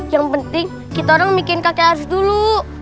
yang penting kita orang mikirin kakek harus dulu